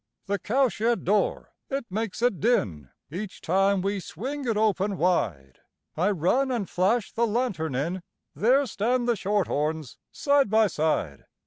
The cow shed door, it makes a din Each time we swing it open wide; I run an' flash the lantern in, There stand the shorthorns side by side.